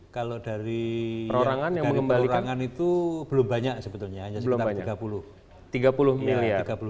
kalau dari pelurangan itu belum banyak sebetulnya hanya sekitar tiga puluh